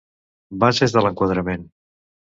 Bases de l'enquadrament.